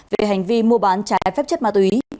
về hành vi mua bán trái phép chất ma túy